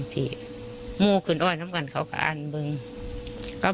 ทำงานหรือเปล่า